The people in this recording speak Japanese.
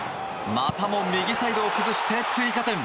またも右サイドを崩して追加点。